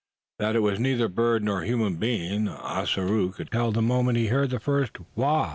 That it was neither bird nor human being, Ossaroo could tell the moment he heard the first "wha."